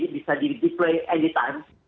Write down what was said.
bisa di display anytime